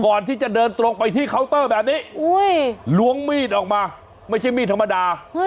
ก่อนที่จะเดินตรงไปที่แบบนี้อุ้ยล้วงมีดออกมาไม่ใช่มีดธรรมดาอุ้ย